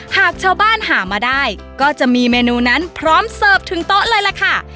หากชาวบ้านหามาได้ก็จะมีเมนูนั้นพร้อมเสิร์ฟถึงโต๊ะเลยล่ะค่ะ